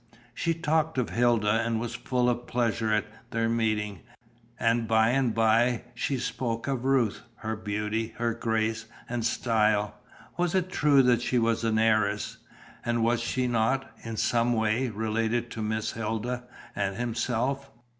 She talked of Hilda, and was full of pleasure at their meeting; and by and by she spoke of Ruth, her beauty, her grace, and style. Was it true that she was an heiress? And was she not, in some way, related to Miss Hilda and himself.